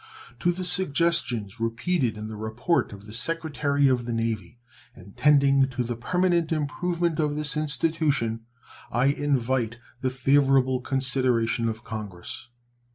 To the suggestions repeated in the report of the Secretary of the Navy, and tending to the permanent improvement of this institution, I invite the favorable consideration of Congress.